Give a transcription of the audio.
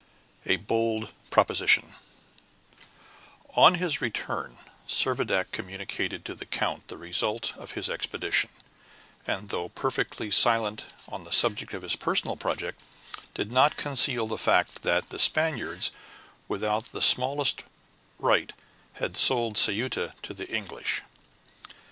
A BOLD PROPOSITION On his return Servadac communicated to the count the result of his expedition, and, though perfectly silent on the subject of his personal project, did not conceal the fact that the Spaniards, without the smallest right, had sold Ceuta to the English.